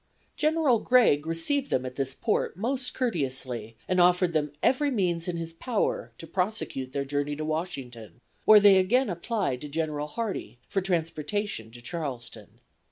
General Gregg received them at this port most courteously and offered them every means in his power to prosecute their journey to Washington, where they again applied to General Hardie for transportation to Charleston.